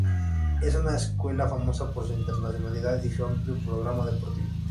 Es una escuela famosa por su internacionalidad y su amplio programa deportivo.